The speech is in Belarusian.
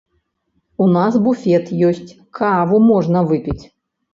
У нас буфет ёсць, каву можна выпіць.